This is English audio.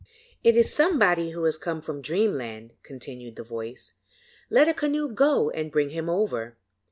'It is somebody who has come from dreamland,' continued the voice. 'Let a canoe go and bring him over.'